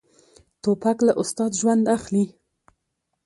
توپک له استاد ژوند اخلي.